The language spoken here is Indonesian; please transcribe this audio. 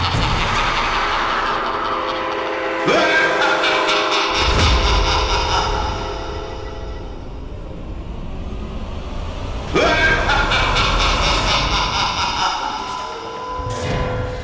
jangan divul potrzemsi